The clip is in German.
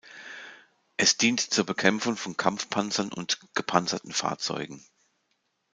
Es dient zur Bekämpfung von Kampfpanzern und gepanzerten Fahrzeugen.